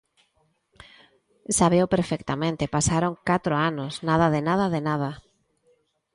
Sábeo perfectamente: pasaron catro anos, nada de nada de nada.